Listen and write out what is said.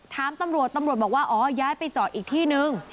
ถามตำรวจตำรวจบอกว่าอ๋อย้ายไปจอดอีกที่นึง